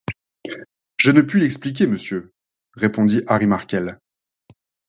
Je ne puis l’expliquer, monsieur, répondit Harry Markel.